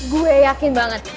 gue yakin banget